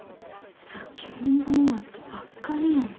さっき本番終わったばっかりやのに。